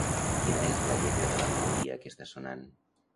Quina és la lletra de la melodia que està sonant?